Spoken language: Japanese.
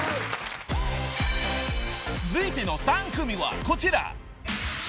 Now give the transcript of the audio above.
［続いての３組はこちら］